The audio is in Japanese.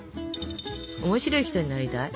面白い人になりたい？